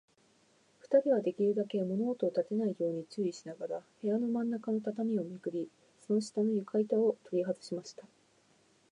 ふたりは、できるだけ物音をたてないように注意しながら、部屋のまんなかの畳をめくり、その下の床板ゆかいたをとりはずしました。